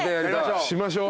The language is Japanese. しましょう。